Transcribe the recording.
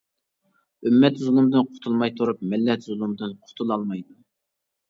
ئۈممەت زۇلۇمدىن قۇتۇلماي تۇرۇپ، مىللەت زۇلۇمدىن قۇتۇلالمايدۇ.